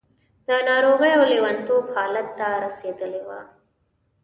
د ناروغۍ او لېونتوب حالت ته رسېدلې وه.